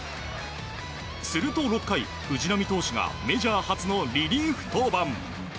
すると６回、藤浪投手がメジャー初のリリーフ登板。